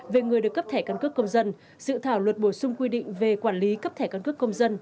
về người được cấp thẻ căn cước công dân sự thảo luật bổ sung quy định về quản lý cấp thẻ căn cước công dân